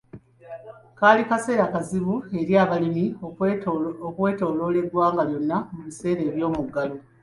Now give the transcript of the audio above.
Kaali kaseera kazibu eri abalimi okwetooloora eggwanga lyonna mu biseera by'omuggalo.